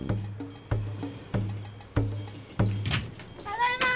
ただいま！